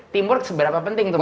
teamwork seberapa penting